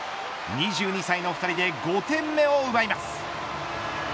２２歳の２人で５点目を奪います。